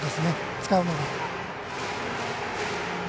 使うのは。